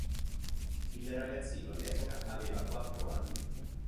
Il ragazzino all'epoca aveva quattro anni.